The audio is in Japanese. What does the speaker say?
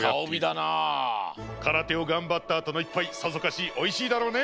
からてをがんばったあとの１ぱいさぞかしおいしいだろうね。